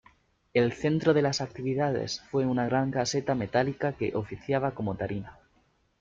El centro de las actividades fue una gran caseta metálica que oficiaba como tarima.